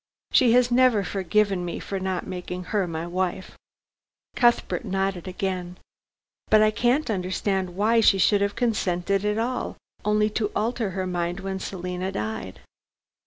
She has never forgiven me for not making her my wife." Cuthbert nodded again. "But I can't understand why she should have consented at all, only to alter her mind when Selina died."